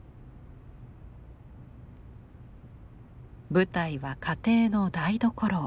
舞台は家庭の台所。